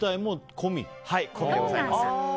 込みでございます。